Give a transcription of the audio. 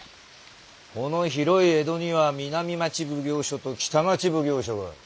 この広い江戸には南町奉行所と北町奉行所がある。